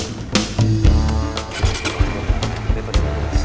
ini percobaan biasa